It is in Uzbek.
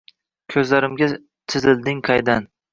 Koʼzlarimga chizilding qaydan?